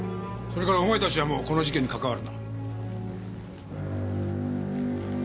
それからお前たちはもうこの事件に関わるな。